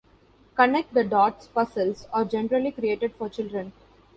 Connect the dots puzzles are generally created for children.